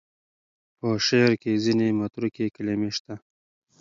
په شعر کې ځینې متروکې کلمې شته.